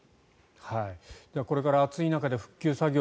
これから暑い中で復旧作業